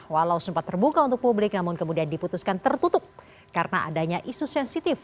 walau sempat terbuka untuk publik namun kemudian diputuskan tertutup karena adanya isu sensitif